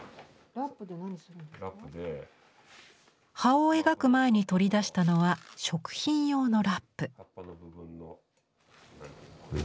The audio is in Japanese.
葉を描く前に取り出したのは食品用のラップ。